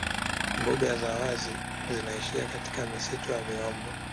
Mbuga za wazi zinaishia katika misitu ya miombo